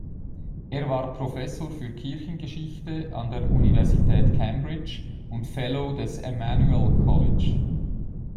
Er war Professor für Kirchengeschichte an der Universität Cambridge und Fellow des Emmanuel College.